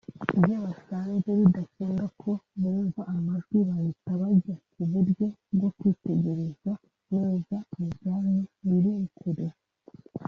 Iyo basanze bidakunda ko bumva amajwi bahita bajya ku buryo bwo kwitegereza neza mu byanya biri kure